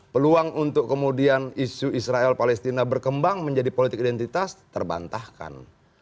peluang untuk kemudian isu israel palestina berkembang menjadi politik identitas terbantahkan